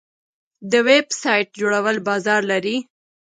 د ویب سایټ جوړول بازار لري؟